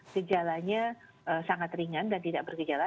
gejalanya sangat ringan dan tidak bergejala